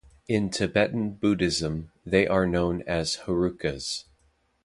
In Tibetan Buddhism, they are known as Herukas.